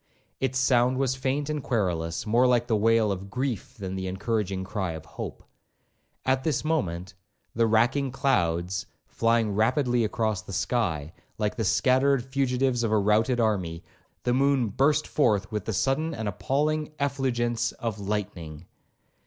Its sound was faint and querulous, more like the wail of grief, than the encouraging cry of hope. At this moment, the racking clouds flying rapidly across the sky, like the scattered fugitives of a routed army, the moon burst forth with the sudden and appalling effulgence of lightning.